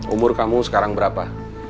umur kamu sekarang berapa